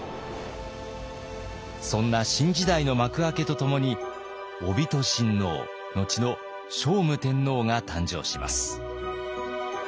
そんな新時代の幕開けとともに首親王のちの聖武天皇が誕生します。